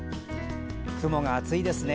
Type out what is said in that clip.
雲が厚いですね。